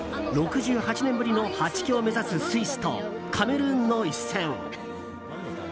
６８年ぶりの８強を目指すスイスとカメルーンの一戦。